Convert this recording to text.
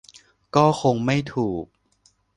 ก็คงไม่ถูก